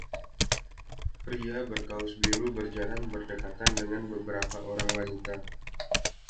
Pria berkaus biru berjalan berdekatan dengan beberapa orang wanita.